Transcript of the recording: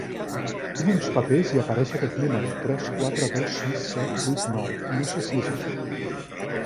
Tinc uns papers i apareix aquest numero: tres quatre dos sis set vuit nou, no sé si és això.